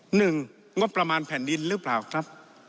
งบประมาณแผ่นดินหรือเปล่าครับ